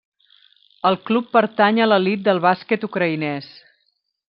El club pertany a l'elit del bàsquet ucraïnès.